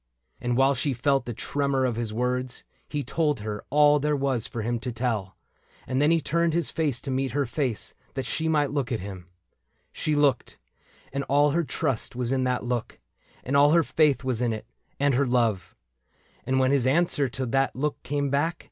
And while she felt the tremor of his words, He told her all there was for him to tell ; And then he turned his face to meet her face, That she might look at him. She looked ; and all her trust was in that look. And all her faith was in it, and her love ; 1 62 AS A WORLD WOULD HAVE IT And when his answer to that look came back.